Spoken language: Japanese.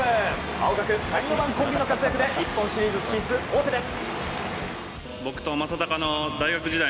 青学３、４番コンビの活躍で日本シリーズ進出王手です。